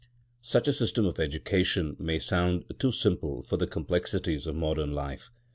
Such a system of education may sound too simple for the complexities of modern life.